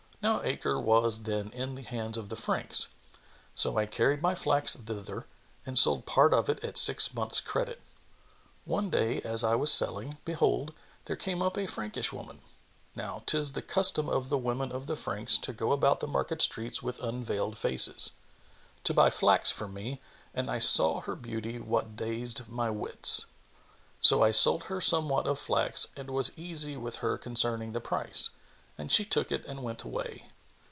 Now Acre was then in the hands of the Franks; [FN#30] so I carried my flax thither and sold part of it at six months' credit. One day, as I was selling, behold, there came up a Frankish woman (now 'tis the custom of the women of the Franks to go about the market streets with unveiled faces), to buy flax of me, and I saw of her beauty what dazed my wits. So I sold her somewhat of flax and was easy with her concerning the price; and she took it and went away.